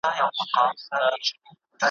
په ویالو کي یې د وینو سېل بهیږي ,